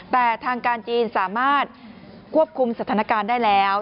แต่ทางการจีนสามารถควบคุมสถานการณ์ได้แล้ว